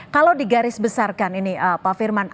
kalau digarisbesarkan ini pak firman